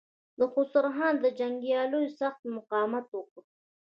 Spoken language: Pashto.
د خسرو خان جنګياليو سخت مقاومت وکړ.